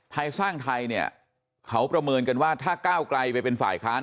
ไทยสร้างไทยเนี่ยเขาประเมินกันว่าถ้าก้าวไกลไปเป็นฝ่ายค้าน